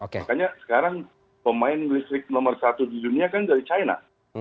makanya sekarang pemain listrik nomor satu di dunia kan dari china